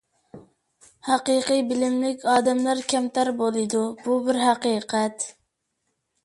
ھەقىقىي بىلىملىك ئادەملەر كەمتەر بولىدۇ. بۇ بىر ھەقىقەت.